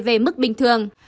về mức bình thường